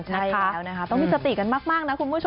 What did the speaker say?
ใช่แล้วนะคะต้องมีสติกันมากนะคุณผู้ชม